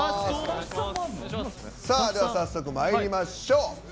早速まいりましょう。